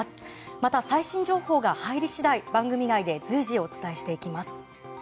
また、最新情報が入り次第番組内で随時お伝えしていきます。